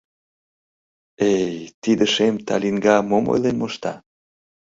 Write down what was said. — Эй, тиде шем талиҥга мом ойлен мошта...